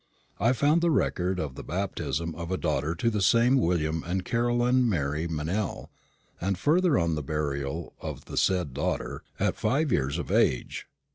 I found the record of the baptism of a daughter to the same William and Caroline Mary Meynell, and further on the burial of the said daughter, at five years of age.